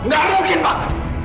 gak mungkin pak